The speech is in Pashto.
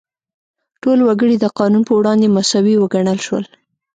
ټول وګړي د قانون په وړاندې مساوي وګڼل شول.